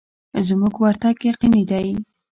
زموږ ورتګ یقیني دی.